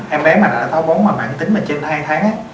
em bé mà đã táo bón bản tính mà trên hai tháng á